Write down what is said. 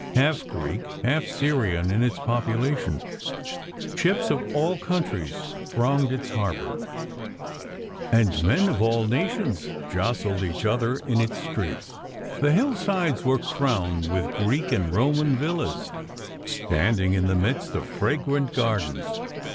Half Greek, half Syrian in its population, ships of all countries thronged its harbour, and men of all nations jostled each other in its streets. The hill sides were crowned with Greek and Roman villas, standing in the midst of fragrant gardens.